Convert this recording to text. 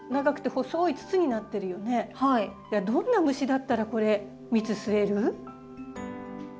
どんな虫だったらこれ蜜吸える？